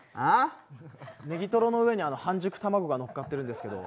ネギトロの上に半熟卵がのっかってるんですけど。